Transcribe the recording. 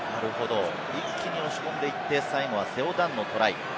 一気に押し込んでいって、最後はセオ・ダンのトライ。